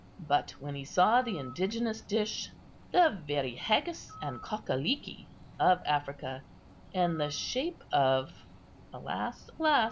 But when he saw the indigenous dish, the very haggis and cock a leekie of Africa, in the shape of—(alas! alas!